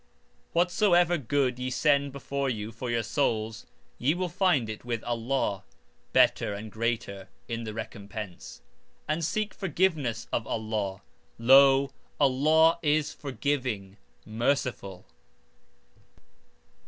Whatsoever good ye send before you for your souls, ye will find it with Allah, better and greater in the recompense. And seek forgiveness of Allah. Lo! Allah is Forgiving, Merciful.